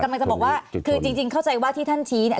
กำลังจะบอกว่าคือจริงเข้าใจว่าที่ท่านชี้เนี่ย